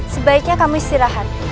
sebaiknya kamu istirahat